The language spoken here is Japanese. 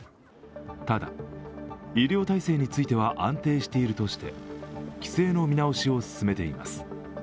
ただ医療体制については安定しているとして規制の見直しを進めています。